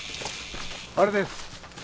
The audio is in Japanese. あれです。